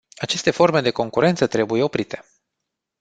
Aceste forme de concurență trebuie oprite.